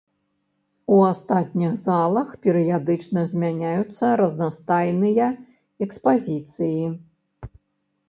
У астатніх залах перыядычна змяняюцца разнастайныя экспазіцыі.